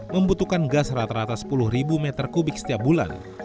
membutuhkan gas rata rata sepuluh m tiga setiap bulan